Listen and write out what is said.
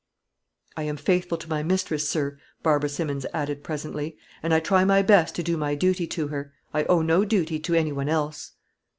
"I am faithful to my mistress, sir," Barbara Simmons added, presently; "and I try my best to do my duty to her. I owe no duty to any one else."